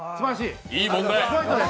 言い問題。